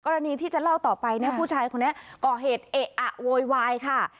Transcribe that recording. ที่จะเล่าต่อไปเนี่ยผู้ชายคนนี้ก่อเหตุเอะอะโวยวายค่ะ